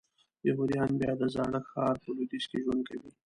یهودیان بیا د زاړه ښار په لویدیځ کې ژوند کوي.